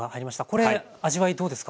これ味わいどうですか？